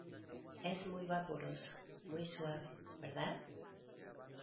es muy vaporoso, muy suave ,¿ verdad?